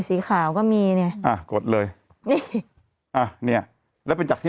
สีขาวก็มีเนี้ยอ่ากดเลยนี่อ่ะเนี้ยแล้วเป็นจากที่